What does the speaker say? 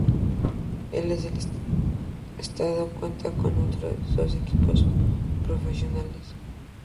El estado cuenta con otros dos equipos profesionales.